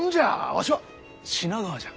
わしゃ品川じゃ。